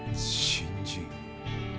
新人。